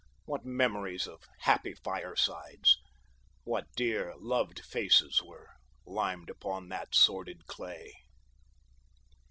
What memories of happy firesides! What dear, loved faces were limned upon that sordid clay!